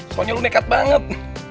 soalnya lo nekat banget